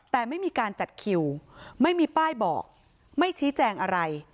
แต่ไม่มีการจัดคิวไม่มีป้ายบอกไม่ชี้แจงอะไร